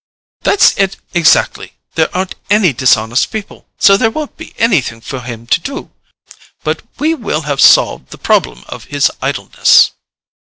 "That's it, exactly. There aren't any dishonest people, so there won't be anything for him to do. But we will have solved the problem of his idleness."